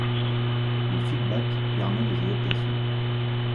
Les feed-back permettent les adaptations.